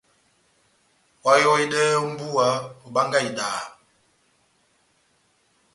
Oháyohedɛhɛ ó mbúwa, obángahi idaha.